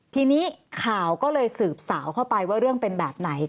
ทีนี้ข่าวก็เลยสืบสาวเข้าไปว่าเรื่องเป็นแบบไหน